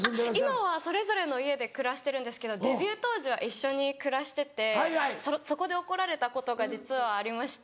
今はそれぞれの家で暮らしてるんですけどデビュー当時は一緒に暮らしててそこで怒られたことが実はありまして。